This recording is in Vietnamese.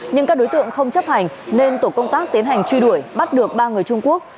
nhưng các đối tượng không chấp hành nên tổ công tác tiến hành truy đuổi bắt được ba người trung quốc